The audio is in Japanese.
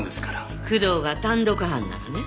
工藤が単独犯ならね。